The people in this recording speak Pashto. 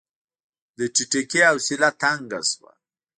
د ټيټکي حوصله تنګه شوه.